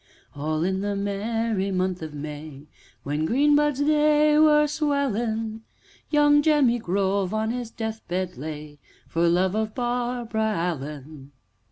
"'All in the merry month of May, When green buds they were swellin', Young Jemmy Grove on his death bed lay, For love of Barbara Allen.'"